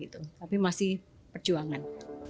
tapi masih perjuangan